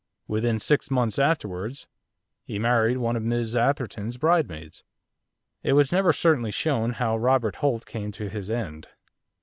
Within six months afterwards he married one of Mrs Atherton's bridesmaids. It was never certainly shown how Robert Holt came to his end.